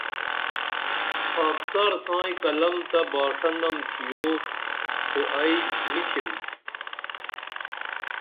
خاکسار سائیں قلم تہ باݜہ نم تِھیو خو ائی نی تِھم